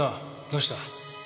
どうした。